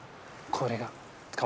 これが。